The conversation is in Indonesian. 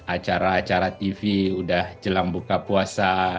acara acara tv udah jelang buka puasa